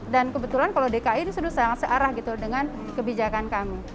dan kebetulan kalau dki ini sudah sangat searah gitu dengan kebijakan kami